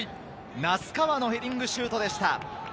名須川のヘディングシュートでした。